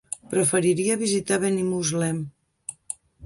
Preferiria visitar Benimuslem.